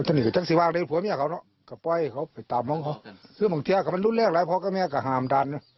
ที่ชายสร้างเรื่องสำเร็จน้อย